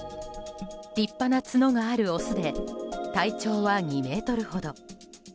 立派な角があるオスで体長は２ｍほど。